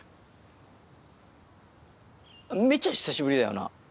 めちゃ久しぶりだよな。